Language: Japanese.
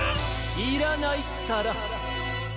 いらないったら！